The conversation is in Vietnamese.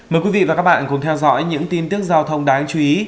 mời quý vị và các bạn cùng theo dõi những tin tức giao thông đáng chú ý